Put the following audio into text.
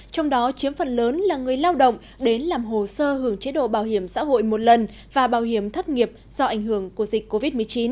trong đó chiếm phần lớn là người lao động đến làm hồ sơ hưởng chế độ bảo hiểm xã hội một lần và bảo hiểm thất nghiệp do ảnh hưởng của dịch covid một mươi chín